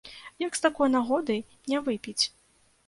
Як з такой нагоды не выпіць!